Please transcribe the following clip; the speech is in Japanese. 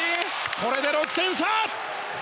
これで６点差！